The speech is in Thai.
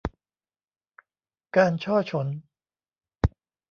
การฉ้อฉล